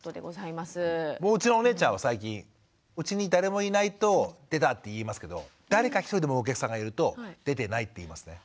うちのお姉ちゃんは最近うちに誰もいないと「出た」って言いますけど誰か１人でもお客さんがいると「出てない」って言いますね。